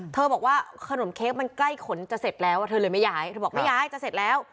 บอกว่าขนมเค้กมันใกล้ขนจะเสร็จแล้วเธอเลยไม่ย้ายเธอบอกไม่ย้ายจะเสร็จแล้ว